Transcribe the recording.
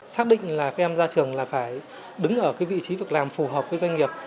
xác định là các em ra trường là phải đứng ở vị trí việc làm phù hợp với doanh nghiệp